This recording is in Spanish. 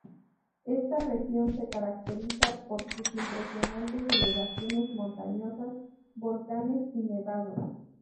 Esta región se caracteriza por sus impresionantes elevaciones montañosas, volcanes y nevados.